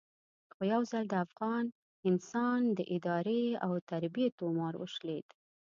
خو یو ځل د افغان انسان د ادارې او تربیې تومار وشلېد.